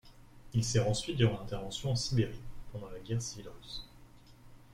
Il sert ensuite durant l'intervention en Sibérie pendant la guerre civile russe.